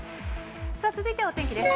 続いてはお天気です。